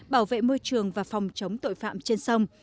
bảo vệ môi trường và phòng chống tội phạm trên sông